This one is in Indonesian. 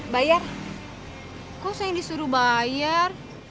bayar kok saya disuruh bayar